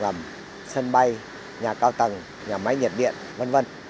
ngầm sân bay nhà cao tầng nhà máy nhiệt điện v v